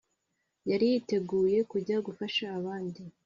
Yari yiteguye kujya gufasha abandi